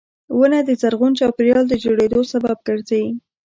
• ونه د زرغون چاپېریال د جوړېدو سبب ګرځي.